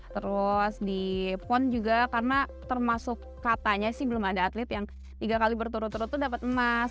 terus di pon juga karena termasuk katanya sih belum ada atlet yang tiga kali berturut turut itu dapat emas